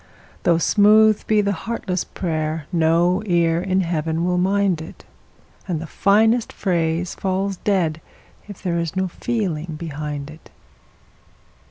Though smooth be the heartless prayer, no ear in Heaven will mind it, And the finest phrase falls dead if there is no feeling behind it.